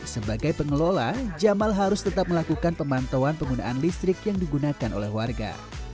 sebagai pengelola jamal harus tetap melakukan pemantauan penggunaan listrik yang digunakan oleh warga